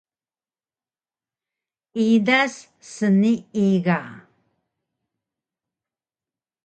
Idas snii ga